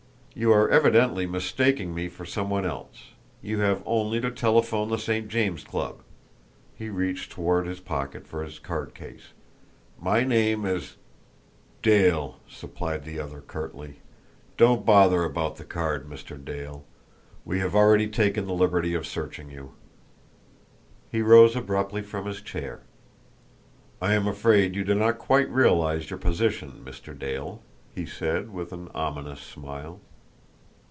You are evidently mistaking me for some one else. You have only to telephone to the St. James Club." He reached toward his pocket for his cardcase. "My name is " "Dale," supplied the other curtly. "Don't bother about the card, Mr. Dale. We have already taken the liberty of searching you." He rose abruptly from his chair. "I am afraid you do not quite realise your position, Mr. Dale," he said, with an ominous smile.